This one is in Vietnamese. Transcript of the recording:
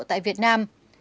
tại việt nam